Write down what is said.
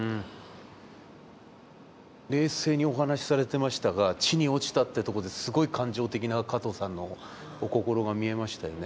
冷静にお話しされてましたが「地に落ちた」ってとこですごい感情的な加藤さんのお心が見えましたよね。